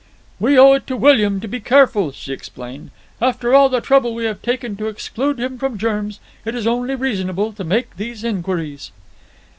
"We owe it to William to be careful," she explained. "After all the trouble we have taken to exclude him from germs it is only reasonable to make these inquiries."